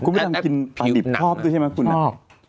พี่อาจก็คินปลาดิบพอบด้วยใช่ไหมคุณอะ